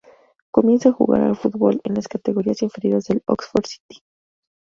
Comienza a jugar al fútbol en las categorías inferiores del Oxford City.